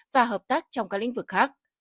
và hợp tác trong các lĩnh vực khác